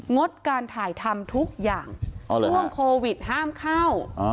งดการถ่ายทำทุกอย่างช่วงโควิดห้ามเข้า